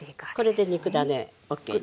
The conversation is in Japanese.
これで肉ダネＯＫね。